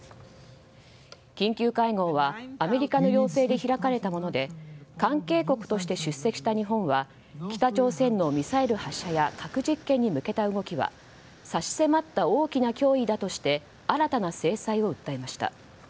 緊急会合はアメリカの要請で開かれたもので関係国として出席した日本は北朝鮮のミサイル発射や核実験に向けた動きは差し迫った大きな脅威だとして新たな制裁を訴えました。